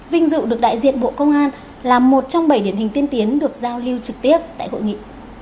vinh dự được đại diện bộ công an là một trong bảy điển hình tiên tiến được giao lưu trực tiếp tại hội nghị